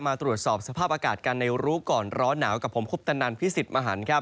มาตรวจสอบสภาพอากาศกันในรู้ก่อนร้อนหนาวกับผมคุปตนันพิสิทธิ์มหันครับ